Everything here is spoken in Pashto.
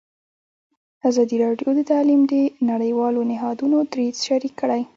ازادي راډیو د تعلیم د نړیوالو نهادونو دریځ شریک کړی.